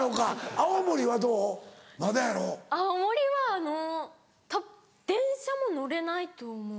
青森はあのたぶん電車も乗れないと思う。